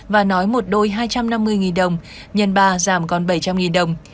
và nói một đôi hai trăm năm mươi đồng nhân ba giảm còn bảy trăm linh đồng